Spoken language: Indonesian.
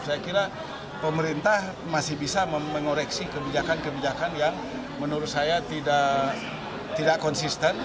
saya kira pemerintah masih bisa mengoreksi kebijakan kebijakan yang menurut saya tidak konsisten